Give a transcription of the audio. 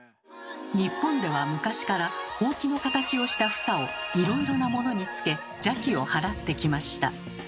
日本では昔からほうきの形をした房をいろいろなものにつけ邪気を払ってきました。